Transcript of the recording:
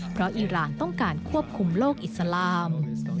เพราะอีรานต้องการควบคุมโลกอิสลาม